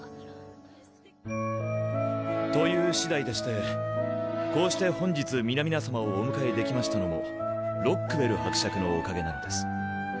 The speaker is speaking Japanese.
というしだいでしてこうして本日皆々様をお迎えできましたのもロックウェル伯爵のおかげなのです。